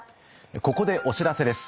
ここでお知らせです。